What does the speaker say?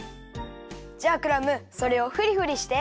じゃあクラムそれをフリフリして。